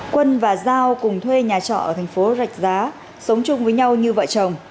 quân và giao cùng thuê nhà trọ ở thành phố rạch giá sống chung với nhau như vợ chồng